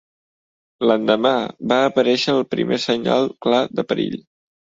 L'endemà, va aparèixer el primer senyal clar de perill.